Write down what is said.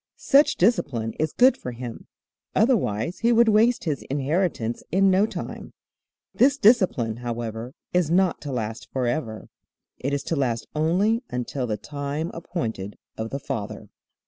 Such discipline is good for him, otherwise he would waste his inheritance in no time. This discipline, however, is not to last forever. It is to last only until 'the time appointed of the father.'"